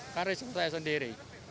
kan risiko saya sendiri